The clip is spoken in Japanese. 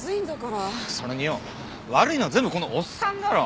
それによ悪いのは全部このおっさんだろう。